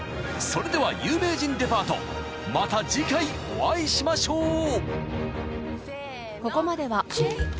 ［それでは『有名人デパート』また次回お会いしましょう］